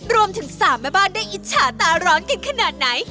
รวมถึง๓แม่บ้านได้อิจฉาตาร้อนกันขนาดไหน